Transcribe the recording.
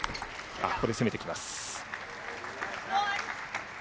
ここで攻めてきます。